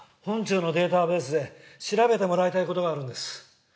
本庁のデータベースで調べてもらいたいことがあるんです。